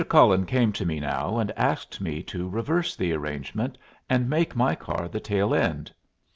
Cullen came to me now and asked me to reverse the arrangement and make my car the tail end.